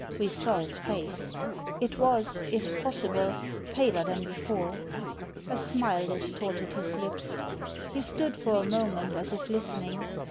We saw his face. It was, if possible, paler than before. A smile distorted his lips. He stood for a moment as if listening.